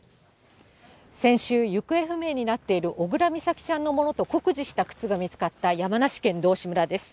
先週、行方不明になっている小倉美咲ちゃんのものと酷似している靴が見つかった山梨県道志村です。